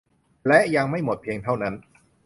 และยังไม่หมดเพียงเท่านั้น